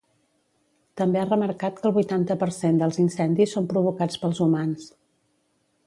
També ha remarcat que el vuitanta per cent dels incendis són provocats pels humans.